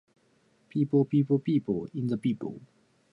The craft can be done from home using some basic tools.